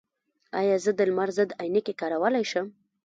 ایا زه د لمر ضد عینکې کارولی شم؟